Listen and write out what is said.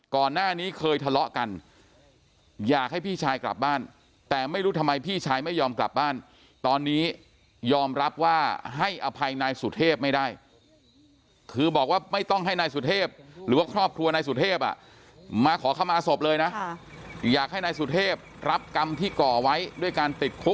ก่อนหน้านี้เคยทะเลาะกันอยากให้พี่ชายกลับบ้านแต่ไม่รู้ทำไมพี่ชายไม่ยอมกลับบ้านตอนนี้ยอมรับว่าให้อภัยนายสุเทพไม่ได้คือบอกว่าไม่ต้องให้นายสุเทพหรือว่าครอบครัวนายสุเทพอ่ะมาขอเข้ามาศพเลยนะอยากให้นายสุเทพรับกรรมที่ก่อไว้ด้วยการติดคุก